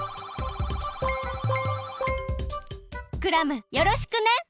クラムよろしくね！